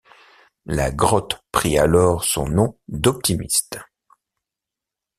La grotte prit alors son nom d'Optimiste.